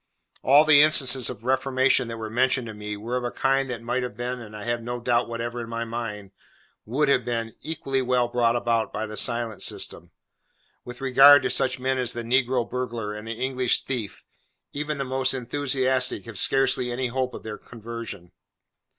All the instances of reformation that were mentioned to me, were of a kind that might have been—and I have no doubt whatever, in my own mind, would have been—equally well brought about by the Silent System. With regard to such men as the negro burglar and the English thief, even the most enthusiastic have scarcely any hope of their conversion.